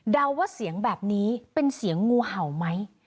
ว่าเสียงแบบนี้เป็นเสียงงูเห่าไหม